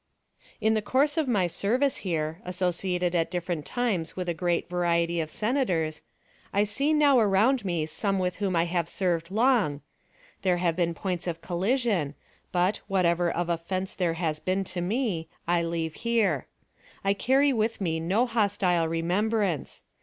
"In the course of my service here, associated at different times with a great variety of Senators, I see now around me some with whom I have served long; there have been points of collision, but, whatever of offense there has been to me, I leave here. I carry with me no hostile remembrance.